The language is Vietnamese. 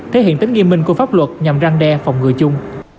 thể hiện tính nghiêm minh của pháp luật nhằm răng đe phòng ngừa chung